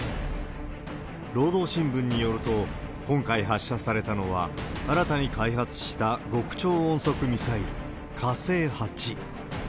労働新聞によると、今回発射されたのは、新たに開発した極超音速ミサイル、火星８。